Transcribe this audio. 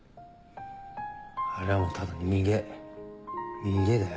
あれはもうただ逃げ逃げだよ。